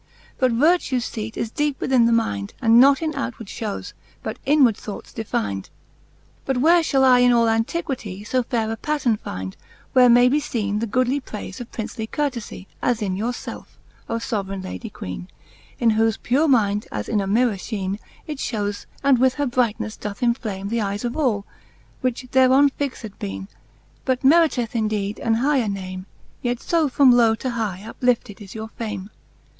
But vertue's feat is deepe within the mynd, And not in outward fhows, but inward thoughts defynd. VI. But where fhall I in all Antiquity So faire a patterne finde, where may be ieene The goodly praife of Princely curtefie. As in your felfe, O foveraine Lady Queene ? In whofe pure minde, as in amlrrourfheene, It fliowes, and with her brightnelle doth inflame The eyes of all, which thereon fixed beene j But meriteth indeede an higher name: Yet io from low to high uplifted is your name.